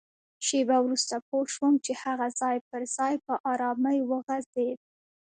شېبه وروسته پوه شوم چي هغه ځای پر ځای په ارامۍ وغځېد.